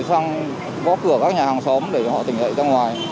chạy cùng mọi người sang góp cửa các nhà hàng xóm để họ tỉnh dậy ra ngoài